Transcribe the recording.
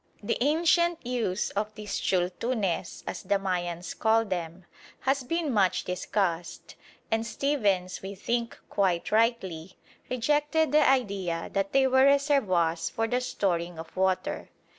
The ancient use of these chultunes, as the Mayans call them, has been much discussed, and Stephens, we think quite rightly, rejected the idea that they were reservoirs for the storing of water.